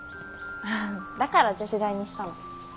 だから女子大にしたの。